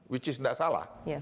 which is enggak salah